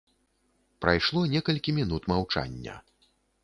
Прайшло некалькі мінут маўчання.